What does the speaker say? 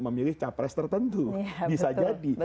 memilih capres tertentu bisa jadi